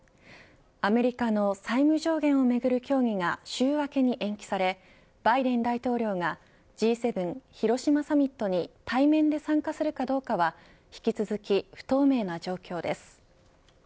アメリカの債務上限をめぐる協議が週明けに延期されバイデン大統領がＧ７広島サミットに対面で参加するかどうかは引き続き不透明な状況です。